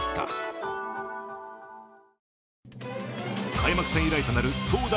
開幕戦以来となる投打